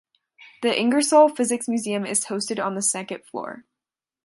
The Ingersoll Physics Museum is hosted on the second floor.